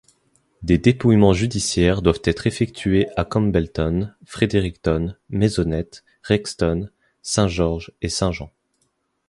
Des dépouillements judiciaires doivent effectués à Campbellton, Fredericton, Maisonnette, Rexton, Saint-George et Saint-Jean.